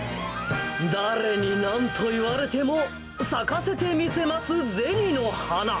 誰になんと言われても、咲かせて見せます銭の花。